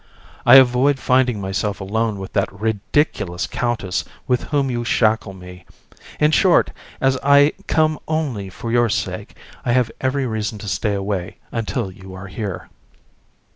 I avoid finding myself alone with that ridiculous countess with whom you shackle me. In short, as I come only for your sake, I have every reason to stay away until you are here.